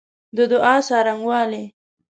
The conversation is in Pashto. د دعا څرنګوالی